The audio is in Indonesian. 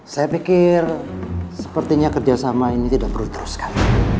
saya pikir sepertinya kerjasama ini tidak perlu diteruskan